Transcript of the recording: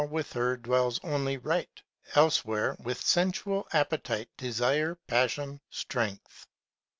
with her dwells only right ; elsewhere, M'ith sensual appetite, desire, passion, strength.